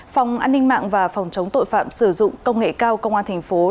phòng an ninh mạng và phòng chống tội phạm sử dụng công nghệ cao công an tp hcm